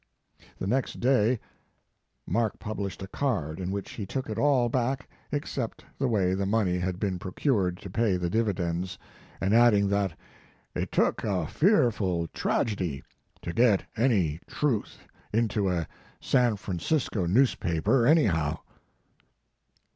The next day Mark published a card in which he took it all back except the His Life and Work. 49 way the money had been procured to pay the dividends, and adding that it took a fearful tragedy to get any truth into a San Francisco newspaper anyhow."